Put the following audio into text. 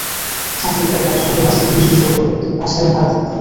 ছাত্রীটি তাঁর ভাইয়ের সঙ্গে হাজী মুহসীন সড়কের একটি বাসায় ভাড়া থাকতেন।